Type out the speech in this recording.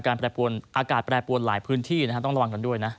แปรปวนอากาศแปรปวนหลายพื้นที่ต้องระวังกันด้วยนะ